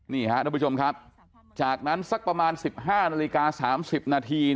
นี่ฮะทุกผู้ชมครับจากนั้นสักประมาณ๑๕นาฬิกา๓๐นาที